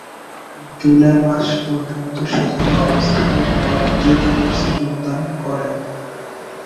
জুলাই মাস পর্যন্ত সেখানে অবস্থানের পর জেড ফোর্সে যোগদান করেন।